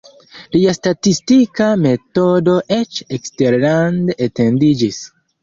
Lia statistika metodo eĉ eksterlande etendiĝis.